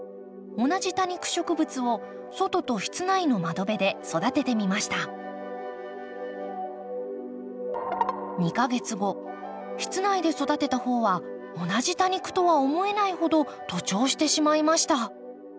同じ多肉植物を外と室内の窓辺で育ててみました２か月後室内で育てた方は同じ多肉とは思えないほど徒長してしまいました